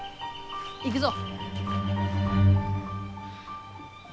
行くぞ。